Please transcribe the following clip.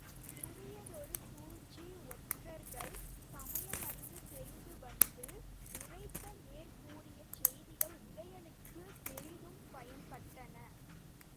புதியதொரு சூழ்ச்சி ஒற்றர்கள் சமயமறிந்து தெரிந்து வந்து உரைத்த மேற்கூறிய செய்திகள் உதயணனுக்குப் பெரிதும் பயன்பட்டன.